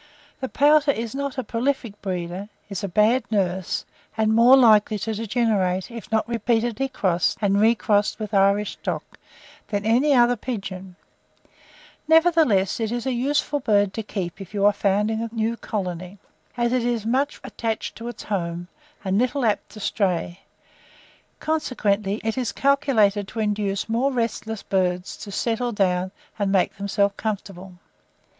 The pouter is not a prolific breeder, is a bad nurse, and more likely to degenerate, if not repeatedly crossed and re crossed with Irish stock, than any other pigeon: nevertheless, it is a useful bird to keep if you are founding a new colony, as it is much attached to its home, and little apt to stray; consequently it is calculated to induce more restless birds to fettle down and make themselves comfortable.